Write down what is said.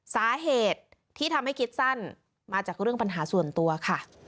สาเหตุที่ทำให้คิดสั้นมาจากเรื่องปัญหาส่วนตัวค่ะ